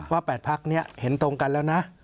๘พักนี้เห็นตรงกันแล้วนะ